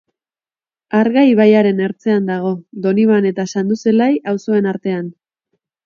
Arga ibaiaren ertzean dago, Donibane eta Sanduzelai auzoen artean.